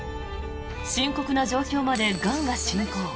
深刻な状況までがんが進行。